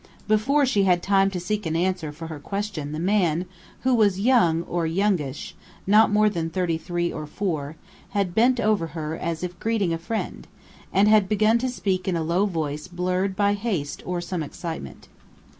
Before she had time to seek an answer for her question the man who was young, or youngish, not more than thirty three or four had bent over her as if greeting a friend, and had begun to speak in a low voice blurred by haste or some excitement.